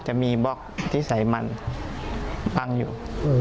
จะมีบล็อกที่ใส่มันบังอยู่